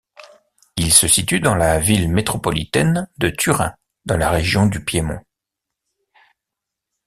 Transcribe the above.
Il se situe dans la ville métropolitaine de Turin dans la région du Piémont.